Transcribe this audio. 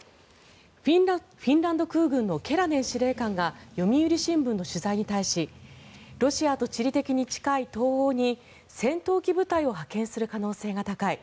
フィンランド空軍のケラネン司令官が読売新聞の取材に対しロシアと地理的に近い東欧に戦闘機部隊を派遣する可能性が高い。